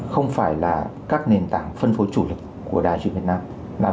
không phải là các nền tảng phân phối chủ lực của đài truyền việt nam